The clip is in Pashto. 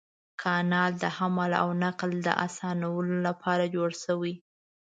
کانال د حمل او نقل د اسانولو لپاره جوړ شوی.